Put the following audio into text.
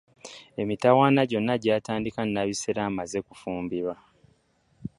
Emitawaana gyonna gyatandika Nabisere amaze kufumbirwa.